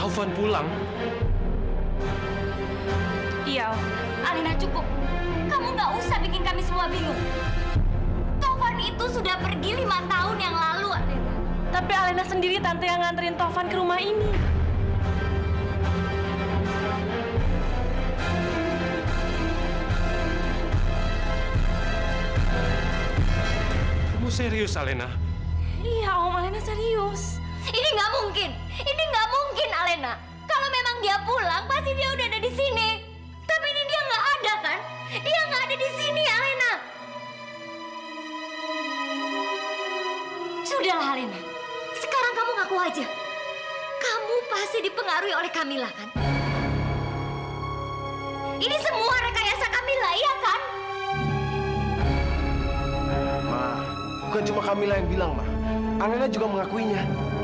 sampai jumpa di video selanjutnya